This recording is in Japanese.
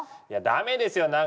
いや駄目ですよ